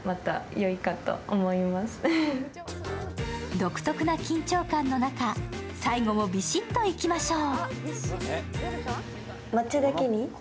独特な緊張感の中、最後もビシッといきましょう。